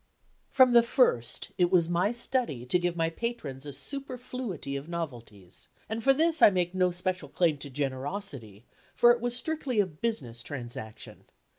From the first, it was my study to give my patrons a superfluity of novelties, and for this I make no special claim to generosity, for it was strictly a business transaction.